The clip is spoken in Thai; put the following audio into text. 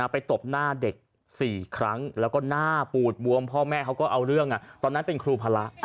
ตบหน้าเด็ก๔ครั้งแล้วก็หน้าปูดบวมพ่อแม่เขาก็เอาเรื่องตอนนั้นเป็นครูพระ